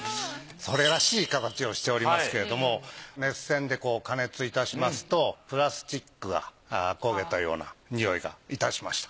それらしい形をしておりますけれども熱線で加熱いたしますとプラスチックが焦げたような臭いがいたしました。